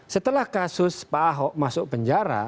setelah kasus pak ahok masuk penjara